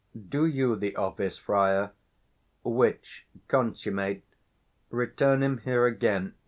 375 Do you the office, friar; which consummate, Return him here again.